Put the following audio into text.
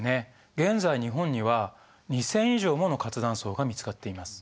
現在日本には２，０００以上もの活断層が見つかっています。